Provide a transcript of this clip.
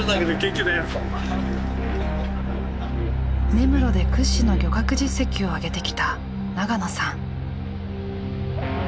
根室で屈指の漁獲実績をあげてきた長野さん。